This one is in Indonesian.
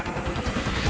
ini harus dihentikan